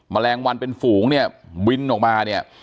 แมลงวันเป็นฝูงเนี่ยบินออกมาเนี่ย